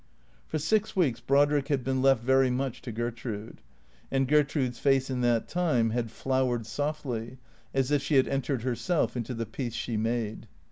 For six weeks Brodrick had been left very much to Gertrude. And Gertrude's face in that time had flowered softly, as if she had entered herself into the peace she made.